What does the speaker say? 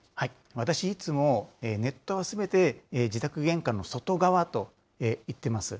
私いつも、ネットはすべて自宅玄関の外側と言ってます。